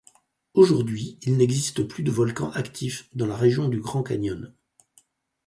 Aujourd'hui, il n'existe plus de volcan actif dans la région du Grand Canyon.